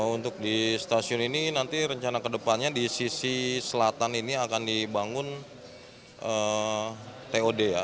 untuk di stasiun ini nanti rencana kedepannya di sisi selatan ini akan dibangun tod ya